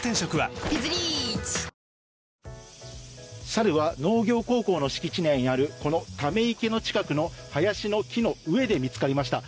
サルは農業高校の敷地内にあるこの、ため池の近くの林の木の上で見つかりました。